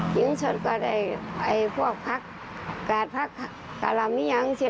ขิงสดก็ได้พวกผักกาลมมี่ยัง